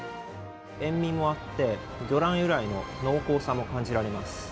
塩味もあって、魚卵由来の濃厚さも感じられます。